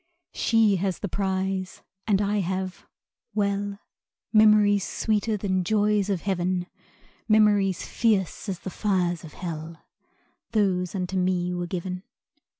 She has the prize, and I have well, Memories sweeter than joys of heaven; Memories fierce as the fires of hell Those unto me were given.